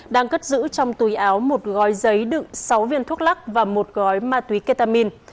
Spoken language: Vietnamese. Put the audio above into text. đang cất giữ trong túi áo một gói giấy đựng sáu viên thuốc lắc và một gói ma túy ketamin